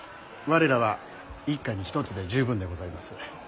我らは一家に一つで十分でございます。